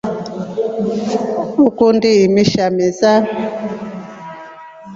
Ukundi imisha mesa?